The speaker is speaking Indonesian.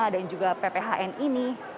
dan juga pphn ini